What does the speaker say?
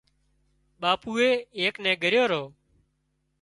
ٻاپوئي ايڪ نين ڳريو رو